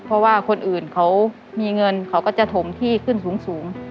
เพราะว่าคนอื่นเขามีเงินเขาก็จะถมที่ขึ้นสูง